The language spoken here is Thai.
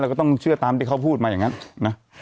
ก็ต้องเชื่อตามที่เขาพูดมาอย่างนั้นนะ